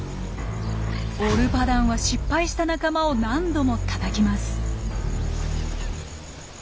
オルパダンは失敗した仲間を何度もたたきます。